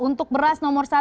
untuk beras nomor satu